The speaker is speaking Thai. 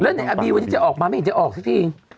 แล้วเนี่ยอบีว่าจะออกมาไม่เห็นจะออกจริง